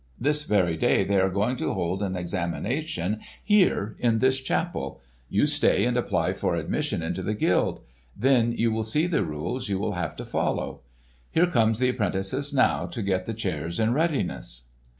This very day they are going to hold an examination here in this chapel. You stay and apply for admission into the guild. Then you will see the rules you will have to follow. Here come the 'prentices now to get the chairs in readiness."